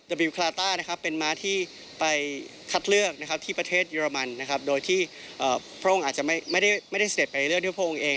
ชื่อเวคาลาตาเป็นม้าทรงประจำพระองค์สายพันธ์โฮลสไตเนอร์วอร์มปลัด